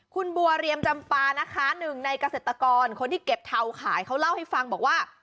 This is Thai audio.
คุณบัวเรียมจำปานะคะหนึ่งในเกษตรกรคนที่เก็บเทาขายเขาเล่าให้ฟังบอกว่า